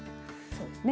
そうですね。